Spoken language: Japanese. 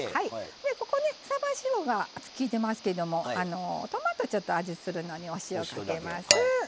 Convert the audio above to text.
でここねさば塩がきいてますけどもトマトちょっと味するのにお塩かけます。